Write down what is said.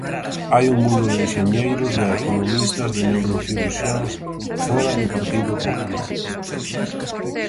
Hai un mundo de enxeñeiros, de economistas, de neurocirurxiáns fóra do Partido Popular.